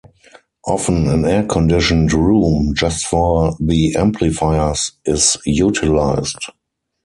Often an air conditioned room just for the amplifiers is utilised.